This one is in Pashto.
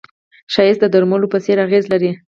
ښایست د درملو په څېر اغېز لري